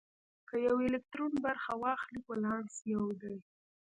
که یو الکترون برخه واخلي ولانس یو دی.